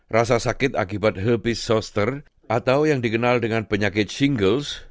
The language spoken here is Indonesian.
rasa sakit akibat habit soster atau yang dikenal dengan penyakit singles